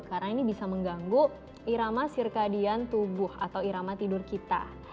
karena ini bisa mengganggu irama sirkadian tubuh atau irama tidur kita